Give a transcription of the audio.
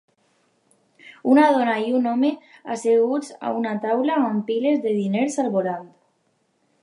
una dona i un home asseguts a una taula amb piles de diners al voltant.